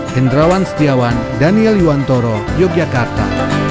hendrawan setiawan daniel yuwantoro yogyakarta